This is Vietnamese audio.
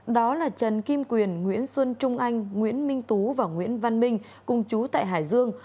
đó là trần kim quyền nguyễn xuân trung anh nguyễn minh tú và nguyễn văn minh cùng chú tại hải dương